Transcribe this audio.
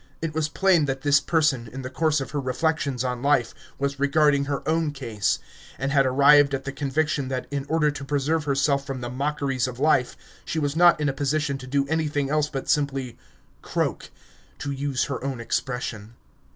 It was plain that this person, in the course of her reflections on life, was regarding her own case, and had arrived at the conviction that in order to preserve herself from the mockeries of life, she was not in a position to do anything else but simply "croak" to use her own expression.